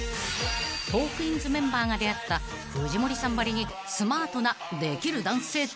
［トークィーンズメンバーが出会った藤森さんばりにスマートなできる男性とは？］